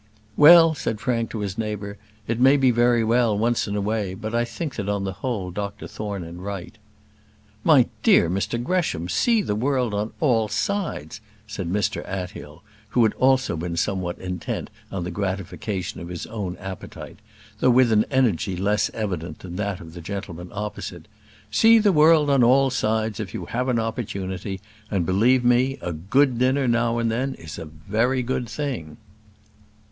"Well," said Frank to his neighbour, "it may be very well once in a way; but I think that on the whole Dr Thorne is right." "My dear Mr Gresham, see the world on all sides," said Mr Athill, who had also been somewhat intent on the gratification of his own appetite, though with an energy less evident than that of the gentleman opposite. "See the world on all sides if you have an opportunity; and, believe me, a good dinner now and then is a very good thing."